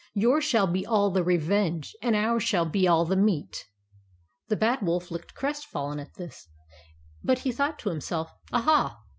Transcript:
Yours shall be all the revenge, and ours shall be all the meat/' The Bad Wolf looked crestfallen at this ; but he thought to himself, " Aha